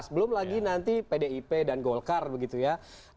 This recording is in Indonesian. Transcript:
belum lagi nanti pdip dan golkar begitu ya